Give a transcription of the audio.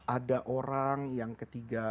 ada orang yang ketiga